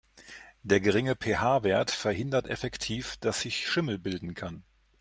Der geringe PH-Wert verhindert effektiv, dass sich Schimmel bilden kann.